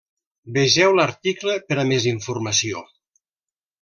Vegeu l'article per a més informació.